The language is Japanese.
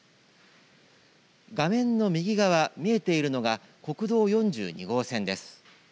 画面の右側、見えているのが国道４２号線です。